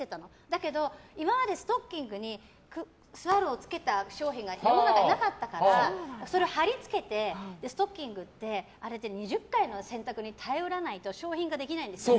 だけど、今までストッキングにスワロをつけた商品が世の中になかったから貼り付けてストッキングって２０回の洗濯に耐えられないと商品化できないんです。